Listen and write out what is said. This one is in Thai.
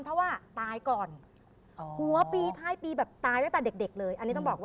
เพราะว่าก็ตายก่อนหัวปีไทยปีตายตั้งแต่เด็ก